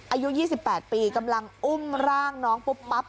อายุ๒๘ปีกำลังอุ้มร่างน้องปุ๊บปั๊บ